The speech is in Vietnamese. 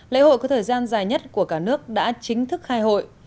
lễ hội có thời gian dài nhất của cả nước đã chính thức khai hội